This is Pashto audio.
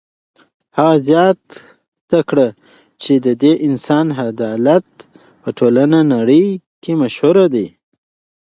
هغه زیاته کړه چې د دې انسان عدالت په ټوله نړۍ کې مشهور دی.